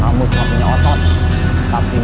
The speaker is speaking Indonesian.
kamu cuma punya otot tapi nggak punya jawabannya